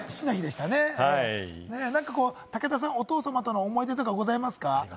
武田さんはお父様との思い出とかございますか？